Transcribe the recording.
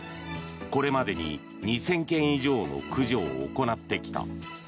これまでに２０００件以上の駆除を行ってきた。